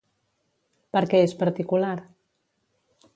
Per què és particular?